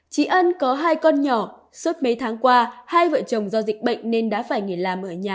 chị ân có hai con nhỏ suốt mấy tháng qua hai vợ chồng do dịch bệnh nên đã phải nghỉ làm ở nhà